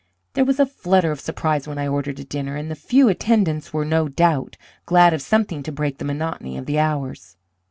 There was a flutter of surprise when I ordered a dinner, and the few attendants were, no doubt, glad of something to break the monotony of the hours.